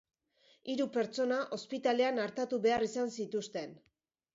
Hiru pertsona ospitalean artatu behar izan zituzten.